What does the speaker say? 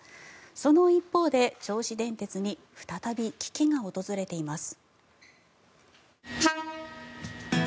その一方で銚子電鉄に再び危機が訪れています。